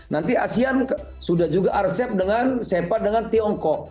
nanti asean sudah juga resep dengan sepa dengan tiongkok